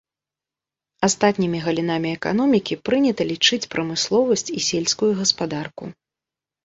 Астатнімі галінамі эканомікі прынята лічыць прамысловасць і сельскую гаспадарку.